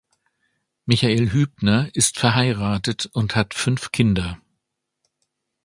Michael Hübner ist verheiratet und hat fünf Kinder.